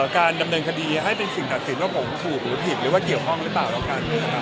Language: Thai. การดำเนินคดีให้เป็นสิ่งตัดสินว่าผมถูกหรือผิดหรือว่าเกี่ยวข้องหรือเปล่าแล้วกัน